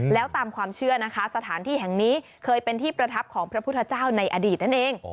แล้วตามความเชื่อนะคะสถานที่แห่งนี้เคยเป็นที่ประทับของพระพุทธเจ้าในอดีตนั่นเอง